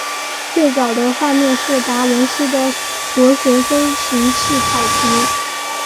最早的画面是达文西的螺旋飞行器草图。